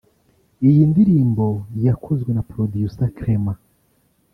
Iyi ndirimbo yakozwe na Producer Clement